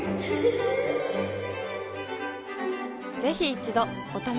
ぜひ一度お試しを。